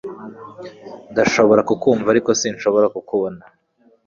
Ndashobora kukumva ariko sinshobora kukubona